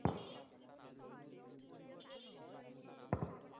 বিপরীত দিক অর্থাৎ শেরেবাংলা মহিলা মহাবিদ্যালয়ের দিক থেকে আসছে বিভিন্ন যানবাহন।